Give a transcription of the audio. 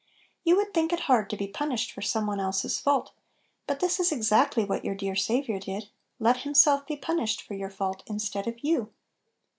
You would think it hard to be pun ished for some one else's fault; but this is exactly what your dear Saviour did, — let Himself be punished for your fault instead of you.